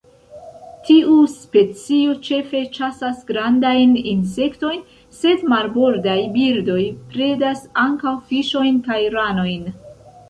Tiu specio ĉefe ĉasas grandajn insektojn, sed marbordaj birdoj predas ankaŭ fiŝojn kaj ranojn.